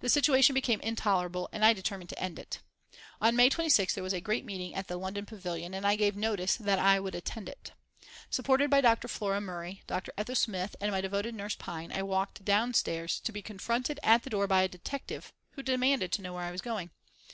The situation became intolerable, and I determined to end it. On May 26th there was a great meeting at the London Pavillion, and I gave notice that I would attend it. Supported by Dr. Flora Murray, Dr. Ethel Smyth and my devoted Nurse Pine, I walked downstairs, to be confronted at the door by a detective, who demanded to know where I was going.